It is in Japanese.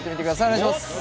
お願いします